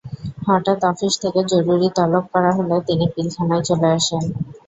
হঠাত্ office থেকে জরুরি তলব করা হলে তিনি পিলখানায় চলে আসেন।